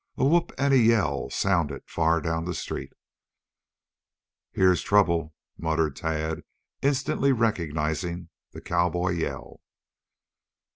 A whoop and a yell sounded far down the street. "Here's trouble," muttered Tad, instantly recognizing the cowboy yell.